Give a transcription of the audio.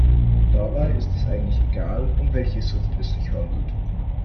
Dabei ist es eigentlich egal, um welche Sucht es sich handelt.